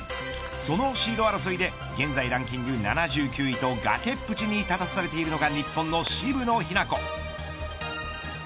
そのシード争いで現在ランキング７９位と崖っぷちに立たされているのが日本の渋野日向子。